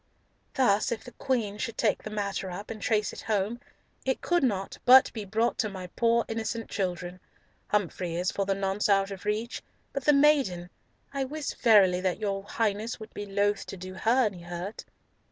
"Thus, if the Queen should take the matter up and trace it home, it could not but be brought to my poor innocent children! Humfrey is for the nonce out of reach, but the maiden—I wis verily that your Highness would be loath to do her any hurt!"